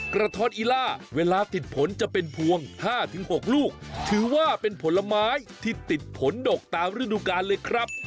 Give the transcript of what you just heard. ท้อนอีล่าเวลาติดผลจะเป็นพวง๕๖ลูกถือว่าเป็นผลไม้ที่ติดผลดกตามฤดูกาลเลยครับ